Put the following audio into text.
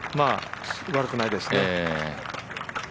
悪くないですね。